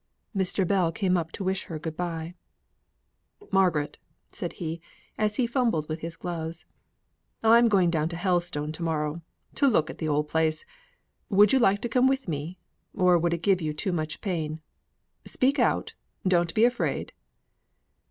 Mr. Bell came up to wish her good bye. "Margaret!" said he, as he fumbled with his gloves, "I am going down to Helstone to morrow, to look at the old place. Would you like to come with me? Or would it give you too much pain? Speak out, don't be afraid."